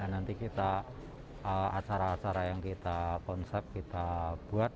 nanti kita acara acara yang kita konsep kita buat